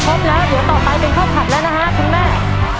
ครบแล้วเดี๋ยวต่อไปเป็นข้าวผัดแล้วนะฮะคุณแม่